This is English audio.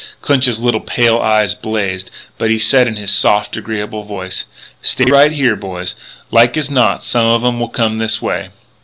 Clinch's little pale eyes blazed, but he said in his soft, agreeable voice: "Stay right here, boys. Like as not some of 'em will come this way."